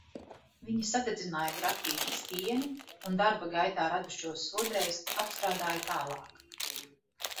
Viņi sadedzināja grafīta stieni un darba gaitā radušos sodrējus apstrādāja tālāk.